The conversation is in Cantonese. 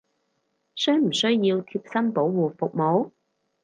需唔需要貼身保護服務！？